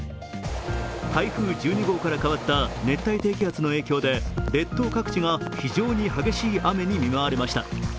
台風１２号から変わった熱帯低気圧の影響で列島各地が非常に激しい雨に見舞われました。